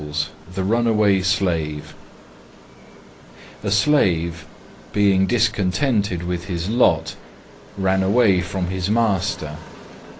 THE RUNAWAY SLAVE A Slave, being discontented with his lot, ran away from his master.